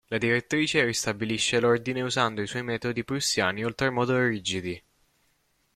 La direttrice ristabilisce l'ordine usando i suoi metodi prussiani oltremodo rigidi.